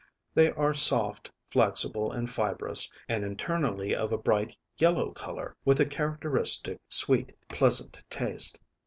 they are soft, flexible and fibrous, and internally of a bright yellow colour, with a characteristic, sweet pleasant taste.